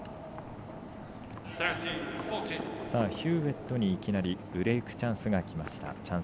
ヒューウェットにいきなりブレークチャンス。